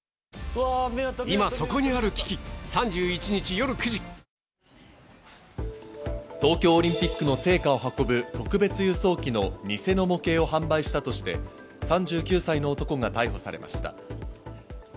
取引時間中に２万９０００円台を東京オリンピックの聖火を運ぶ特別輸送機のニセの模型を販売したとして、３９歳の男が逮捕されました。